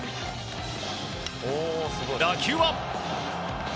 打球は。